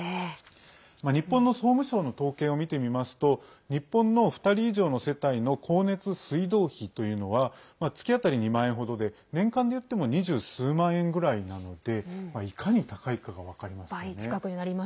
日本の総務省の統計を見てみますと日本の２人以上の世帯の光熱、水道費というのは月当たり２万円程で年間でいっても二十数万円ぐらいなのでいかに高いかが分かりますよね。